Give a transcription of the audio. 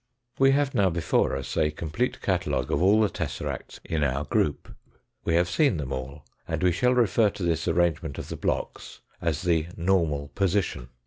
We have now before us a complete catalogue of all the tesseracts in our group. We have seen them all, and we shall refer to this arrangement of the blocks as the " normal position."